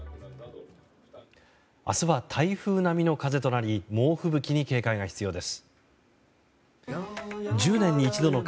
明日は台風並みの風となり猛吹雪に警戒が必要です。